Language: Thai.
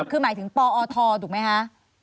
คือหมายถึงปอทถูกไหมคะ